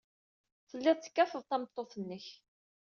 Telliḍ tekkateḍ tameṭṭut-nnek.